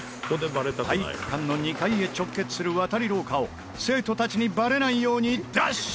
体育館の２階へ直結する渡り廊下を生徒たちにバレないようにダッシュ！